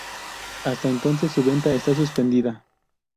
Hasta entonces, su venta está suspendida.